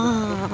eh itu ward